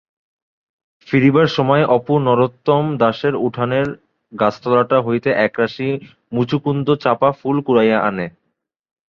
ফিরিবার সময় অপু নরোত্তম দাসের উঠানের গাছতলাটা হইতে একরাশি মুচুকুন্দ-চাঁপা ফুল কুড়াইয়া আনে।